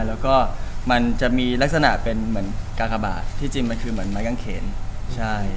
แล้วก็มันจะมีลักษณะเป็นเหมือนกากบาทที่จริงมันคือเหมือนไม้กางเขนใช่